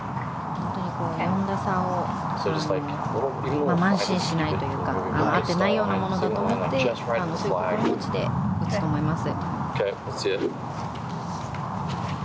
４打差を慢心しないというかあってないようなものだと思ってそういう気持ちで打つと思います。